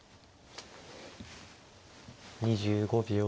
２５秒。